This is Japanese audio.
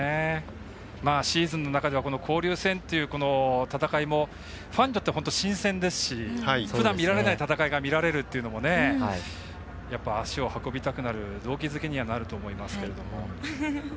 シーズンの中では交流戦という戦いもファンにとっては新鮮ですしふだん見られない戦いが見られるというのは足を運びたく動機づけにはなると思いますけど。